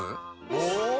お！